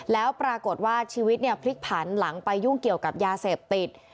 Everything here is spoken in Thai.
แล้วปรากฏว่าชีวิตเนี่ยพลิกผันหลังไปยุ่งเกี่ยวกับยาเสพติด